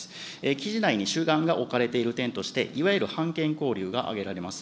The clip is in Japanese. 記事内に主眼が置かれている点として、いわゆる判検交流が挙げられます。